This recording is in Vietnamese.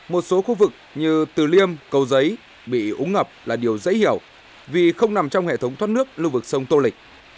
một số khu vực như từ liêm cầu giấy bị úng ngập là điều dễ hiểu vì không nằm trong hệ thống thoát nước lưu vực sông tô lịch